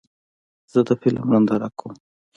زه د فلم ننداره کوم.